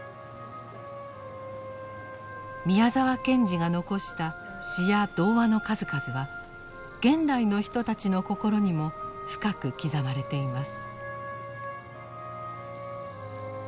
宮沢賢治が残した詩や童話の数々は現代の人たちの心にも深く刻まれています。